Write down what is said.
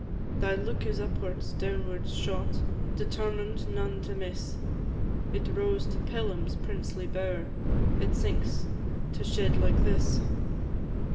Thy look is upwards, downwards shot, Determined none to miss; It rose to Pelham's princely bower, It sinks to shed like this!